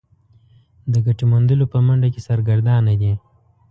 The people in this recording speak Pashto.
د ګټې موندلو په منډه کې سرګردانه دي.